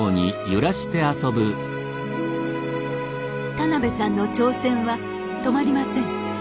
田邉さんの挑戦は止まりません。